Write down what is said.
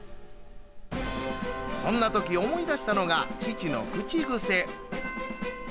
そんなとき思い出したのが父の口癖。